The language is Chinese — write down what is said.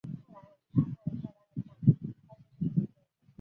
吴廷琰会作出任何事情来试图扑灭共产革命。